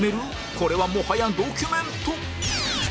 これはもはやドキュメント